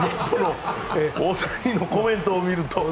大谷のコメントを見ると。